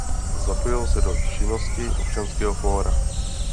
Zapojil se do činnosti Občanského fora.